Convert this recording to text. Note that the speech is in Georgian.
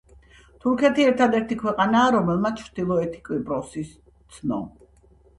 თურქეთი ერთადერთი ქვეყანაა, რომელმაც ჩრდილოეთი კვიპროსი ცნო.